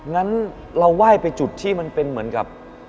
งั้นเราไหว้ไปจุดที่มันเป็นเหมือนกับ